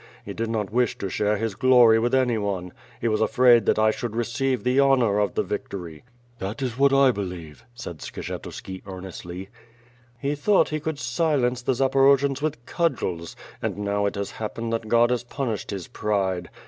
He did not wish to share his glory with anyone. He was afraid that I should receive the honor of the victory." ''^That is what I believe," said Skshetuski earnestly. "He thought he could silence the Zaporojians with cudgels, and now it has happened that God has punished his pride.